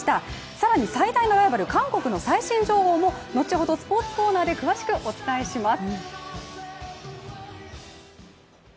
更に最大のライバル・韓国の最新情報も後ほどスポーツコーナーで詳しくお伝えします。